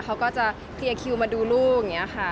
เขาก็จะเคลียร์คิวมาดูลูกอย่างนี้ค่ะ